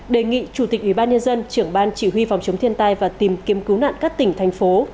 đề nghị chủ tịch ủy ban nhân dân trưởng ban chỉ huy phòng chống thiên tai và tìm kiếm cứu nạn các tỉnh thành phố